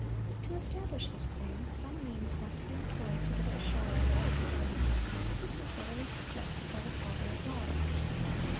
To establish this claim, some means must be employed to give it a show of authority; and this was readily suggested by the father of lies.